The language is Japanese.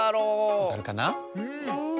わかるかな？